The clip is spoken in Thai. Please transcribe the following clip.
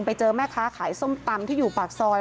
ไปเจอแม่ค้าขายส้มตำที่อยู่ปากซอย